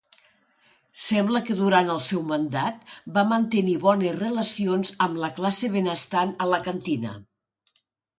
Sembla que durant el seu mandat va mantenir bones relacions amb la classe benestant alacantina.